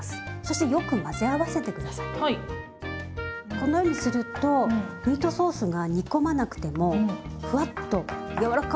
このようにするとミートソースが煮込まなくてもふわっと軟らかい仕上がりになるんです。